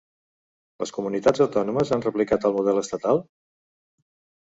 Les comunitats autònomes han replicat el model estatal?